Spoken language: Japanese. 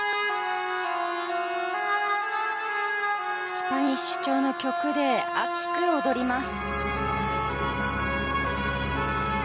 スパニッシュ調の曲で熱く踊ります。